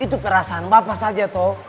itu perasaan bapak saja toh